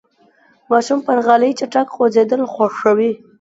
ماشومان پر غالۍ چټک خوځېدل خوښوي.